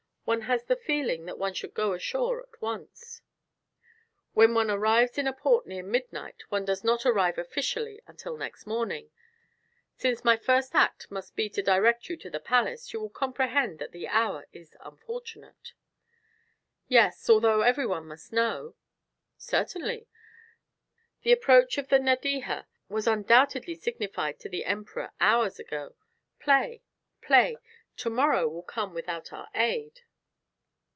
One has the feeling that one should go ashore at once." "When one arrives in a port near midnight, one does not arrive officially until next morning. Since my first act must be to go direct to the palace, you will comprehend that the hour is unfortunate." "Yes. Although every one must know." "Certainly. The approach of the Nadeja was undoubtedly signified to the Emperor hours ago. Play, play; to morrow will come without our aid."